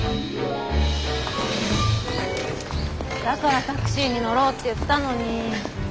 だからタクシーに乗ろうって言ったのに。